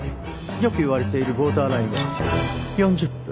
よく言われているボーダーラインは４０分。